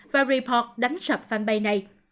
và report đánh sập fanpage này